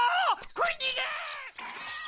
食いにげ！